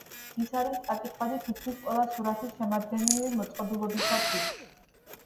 ის არის წაკითხვადი თითქმის ყველა სურათის შემდგენელი მოწყობილობისთვის.